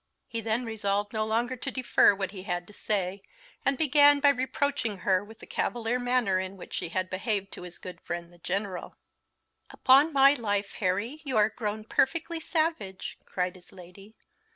He then resolved no longer to defer what he had to say, and began by reproaching her with the cavalier manner in which she had behaved to his good friend the General. "Upon my life, Harry, you are grown perfectly savage," cried his Lady.